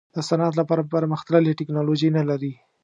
د صنعت لپاره پرمختللې ټیکنالوجي نه لري.